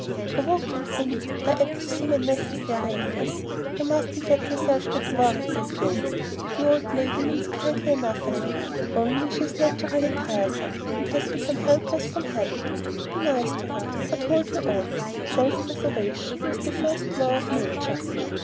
"Provoking things are apt to seem unnecessary, I fancy. You mustn't let yourself get worried, dear Clovy. The old lady means kindly enough, I think, only she's naturally tiresome, and has become helpless from habit. Be nice to her, but hold your own. Self preservation is the first law of Nature."